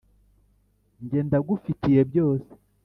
nge ndagufitiye byose.